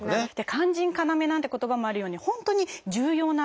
「肝心要」なんて言葉もあるように本当に重要な臓器。